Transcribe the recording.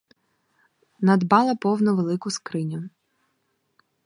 Надбала повну велику скриню.